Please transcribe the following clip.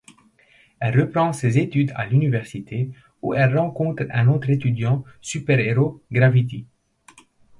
Elle reprend ses études à l'université où elle rencontre un autre étudiant super-héros Gravity.